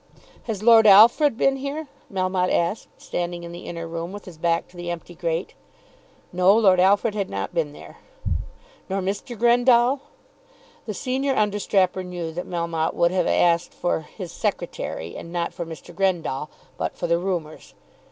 "Has Lord Alfred been here?" Melmotte asked, standing in the inner room with his back to the empty grate. No, Lord Alfred had not been there. "Nor Mr. Grendall?" The senior understrapper knew that Melmotte would have asked for "his Secretary," and not for Mr. Grendall, but for the rumours.